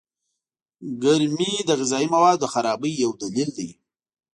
گرمي د غذايي موادو د خرابۍ يو دليل دئ.